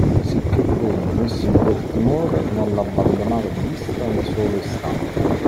Sicché Cruni, messo in quel timore, non l'abbandonava di vista un solo istante.